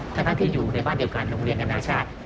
แทค่การที่อยู่ในบ้านเดียวกันหลวงเรียนของนาชาติ